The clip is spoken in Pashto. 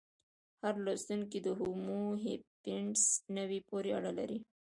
هر لوستونکی د هومو سیپینز نوعې پورې اړه لري.